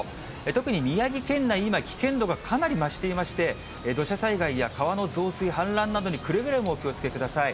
特に宮城県内、今、危険度がかなり増していまして、土砂災害や川の増水、氾濫などにくれぐれもお気をつけください。